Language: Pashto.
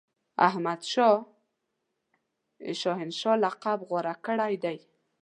احمدشاه شاه هنشاه لقب غوره کړی دی.